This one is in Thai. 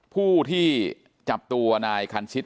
ผู้ที่จับตัวนายคันชิต